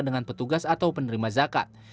dengan petugas atau penerima zakat